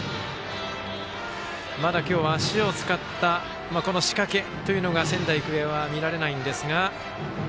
まだ今日は足を使った仕掛けというのが仙台育英は見られないんですが。